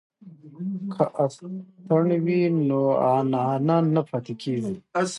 که اتڼ وي نو عنعنه نه پاتې کیږي.